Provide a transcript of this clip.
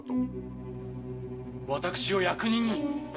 私を役人に？